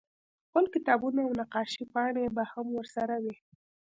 خپل کتابونه او د نقاشۍ پاڼې به هم ورسره وې